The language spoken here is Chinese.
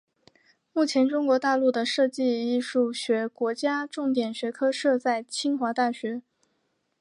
目前中国大陆的设计艺术学国家重点学科设在清华大学。